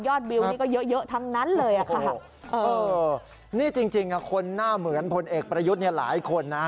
ยอดวิวนี้ก็เยอะทั้งนั้นเลยค่ะนี่จริงคนหน้าเหมือนผลเอกประยุทธิ์เนี่ยหลายคนนะ